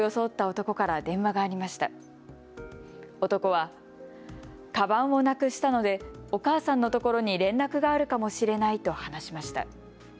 男はかばんをなくしたのでお母さんのところに連絡があるかもしれないと話しました。